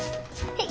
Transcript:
はい。